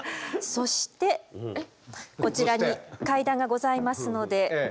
そしてこちらに階段がございますのでこのように。